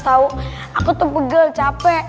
aduh aduh aduh aduh aduh aduh